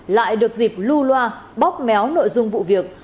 lại được dịp lưu loa bóp méo nội dung vụ việc